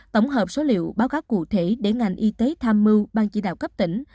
tổng hợp số liệu báo cáo cụ thể để ngành y tế tham mưu ban chỉ đạo cấp tỉnh